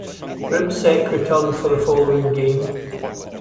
Brimsek returned for the following game.